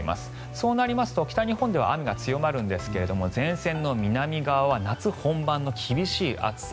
そうなりますと北日本では雨が強まるんですが前線の南側は夏本番の厳しい暑さ。